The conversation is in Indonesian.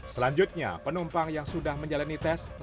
selanjutnya penumpang yang sudah menjalani test palsu